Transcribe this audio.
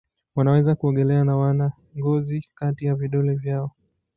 Wanaweza kuogelea na wana ngozi kati ya vidole vyao.